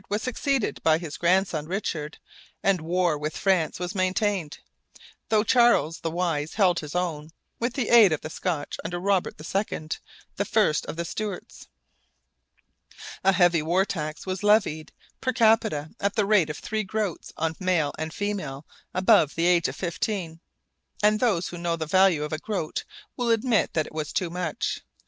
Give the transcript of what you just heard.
was succeeded by his grandson, Richard, and war with France was maintained, though Charles the Wise held his own, with the aid of the Scotch under Robert II., the first of the Stuarts. A heavy war tax was levied per capita at the rate of three groats on male and female above the age of fifteen, and those who know the value of a groat will admit that it was too much.